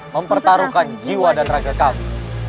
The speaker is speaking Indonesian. mempertaruhkan jiwa dan raga kami